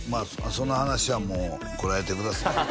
その話はもうこらえてください